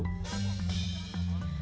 kepala kementerian kesehatan